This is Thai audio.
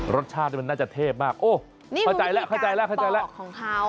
รสชาติมันน่าจะเทพมากโอ้นี่มันวิธีการปอกของเขา